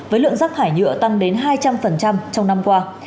với lượng rác thải nhựa tăng đến hai trăm linh trong năm qua